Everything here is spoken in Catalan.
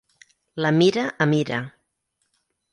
La mira amb ira.